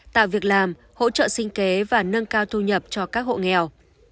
tạo việc làm hỗ trợ sinh kế và nâng cao thu nhập cho các hộ nghèo